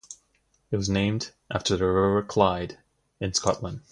It was named after the River Clyde, in Scotland.